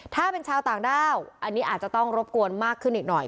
ถ้าเป็นชาวต่างด้าวอันนี้อาจจะต้องรบกวนมากขึ้นอีกหน่อย